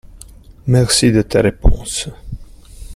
Merci de tes réponses.